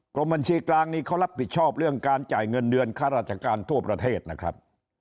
กรมบัญชีกลางนี้เขารับผิดชอบเรื่องการจ่ายเงินเดือนค่าราชการทั่วประเทศนะครับ